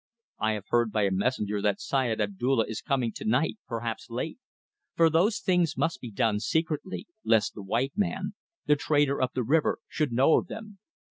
I have heard by a messenger that the Syed Abdulla is coming to night, perhaps late; for those things must be done secretly, lest the white man, the trader up the river, should know of them.